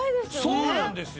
そうなんですよ！